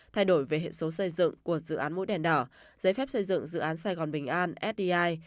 thay đổi về hiện số xây dựng của dự án mũi đèn đỏ giấy phép xây dựng dự án sài gòn bình an sdi